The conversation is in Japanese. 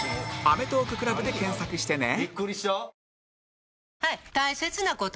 「アメトーーク ＣＬＵＢ」で検索してね